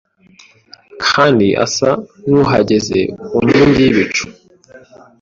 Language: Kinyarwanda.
kandi asa n’uhagaze ku nkingi y’ibicu!